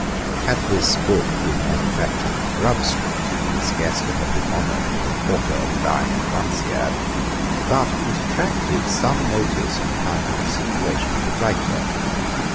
Had this book been manufactured in Grub Street, it would scarcely have been honoured with a quarter of a line in the Dunciad. But it attracted some notice on account of the situation of the writer.